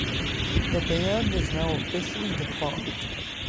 The band is now officially defunct.